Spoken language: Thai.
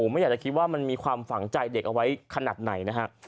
ไม่อยากจะคิดว่ามันมีความฝังใจเด็กเอาไว้ขนาดไหนนะฮะ